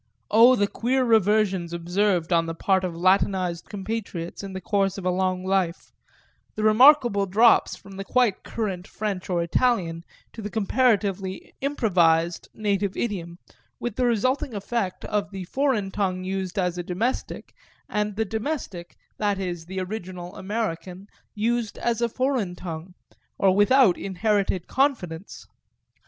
(Oh the queer reversions observed on the part of Latinized compatriots in the course of a long life the remarkable drops from the quite current French or Italian to the comparatively improvised native idiom, with the resulting effect of the foreign tongue used as a domestic and the domestic, that is the original American, used as a foreign tongue, or without inherited confidence!)